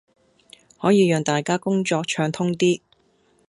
可以讓大家工作暢通啲